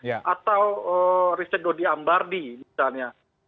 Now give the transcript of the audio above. atau riset dodi ambardi misalnya